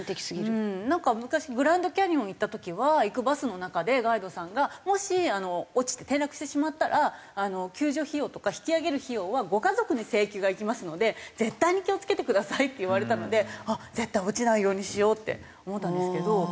なんか昔グランドキャニオンに行った時は行くバスの中でガイドさんが「もし落ちて転落してしまったら救助費用とか引き上げる費用はご家族に請求がいきますので絶対に気を付けてください」って言われたので絶対落ちないようにしようって思ったんですけど。